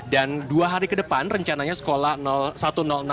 dan dua hari ke depan rencananya sekolah